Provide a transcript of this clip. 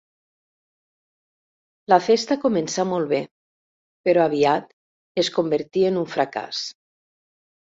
La festa començà molt bé, però aviat es convertí en un fracàs.